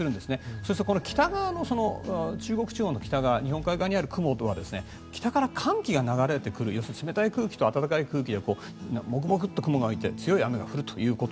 そして、北側の中国地方の北側日本海側にある雲は北から寒気が流れてくる要するに冷たい空気と暖かい空気でモクモクと雲が湧いて強い雨が降ると。